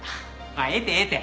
ええってええって。